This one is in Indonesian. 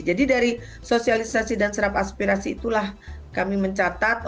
jadi dari sosialisasi dan serap aspirasi itulah kami mencatat